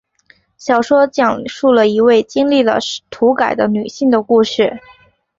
小说讲述了一位经历了土改的女性的故事。